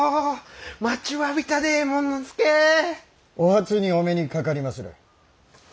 お初にお目にかかりまする。